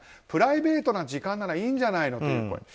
プライベートな時間ならいいんじゃないのという声。